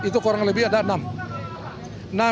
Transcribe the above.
itu kurang lebih ada enam